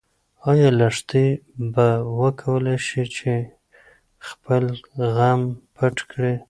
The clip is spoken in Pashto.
ايا لښتې به وکولی شي چې خپل غم پټ کړي؟